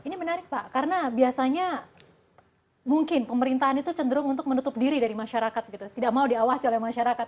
ini menarik pak karena biasanya mungkin pemerintahan itu cenderung untuk menutup diri dari masyarakat gitu tidak mau diawasi oleh masyarakat